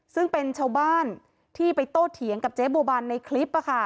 ซึ่งเป็นชาวบ้านที่ไปโตเถียงกับเจ๊บัวบันในคลิป